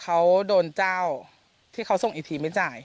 เขาโดนเจ้าที่เขาส่งอีกทีไม่จ่าย